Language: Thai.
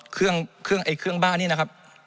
เครื่องบ้านนี้นะครับ